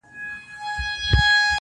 سیاه پوسي ده، قندهار نه دی.